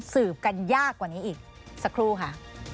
สืบกันยากกว่านี้อีกสักครู่ค่ะ